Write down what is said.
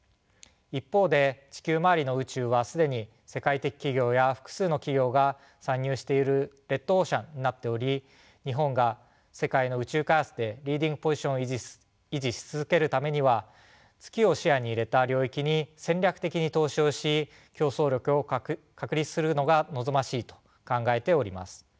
一方で地球周りの宇宙は既に世界的企業や複数の企業が参入しているレッドオーシャンになっており日本が世界の宇宙開発でリーディングポジションを維持し続けるためには月を視野に入れた領域に戦略的に投資をし競争力を確立するのが望ましいと考えております。